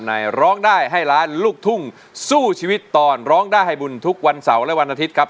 ร้องได้ให้ล้านลูกทุ่งสู้ชีวิตตอนร้องได้ให้บุญทุกวันเสาร์และวันอาทิตย์ครับ